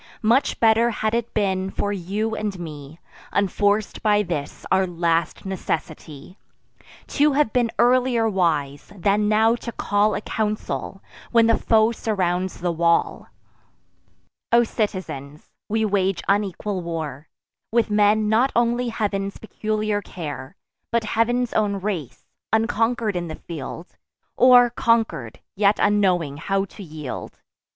Much better had it been for you and me, Unforc'd by this our last necessity, To have been earlier wise, than now to call A council, when the foe surrounds the wall. O citizens, we wage unequal war, With men not only Heav'n's peculiar care, But Heav'n's own race; unconquer'd in the field, Or, conquer'd, yet unknowing how to yield.